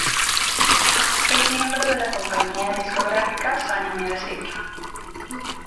Es miembro de la compañía discográfica "Sony Music".